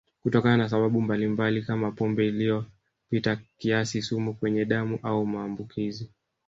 Kutokana na sababu mbalimbali kama pombe iliyopita kiasi sumu kwenye damu au maambukizi